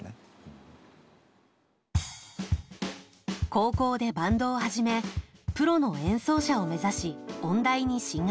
高校でバンドを始めプロの演奏者を目指し音大に進学。